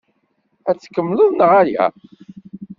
Ad t-tkemmleḍ neɣ ala?